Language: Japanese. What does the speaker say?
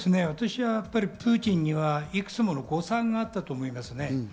私はプーチンにはいくつもの誤算があったと思いますね。